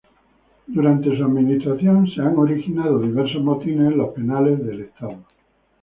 Durante su administración se han presentado diversos motines en los penales del estado.